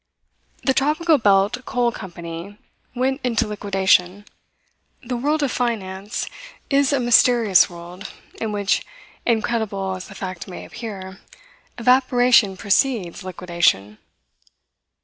The Tropical Belt Coal Company went into liquidation. The world of finance is a mysterious world in which, incredible as the fact may appear, evaporation precedes liquidation.